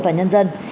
và nhân dân